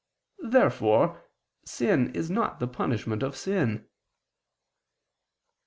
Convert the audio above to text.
Therefore sin is not the punishment of sin.